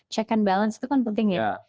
check and balance itu kan penting ya